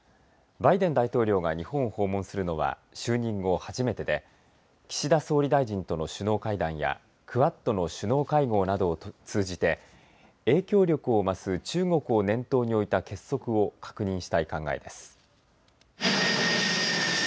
バイデン大統領が日本を訪問するのは就任後初めてで岸田総理大臣との首脳会談やクアッドの首脳会合などを通じて影響力を増す中国を念頭に置いた結束を確認したい考えです。